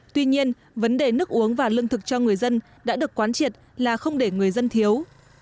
tuy nhiên vấn đề nước uống và lương thực cho người dân đã được quán triệt là không để người dân thiếu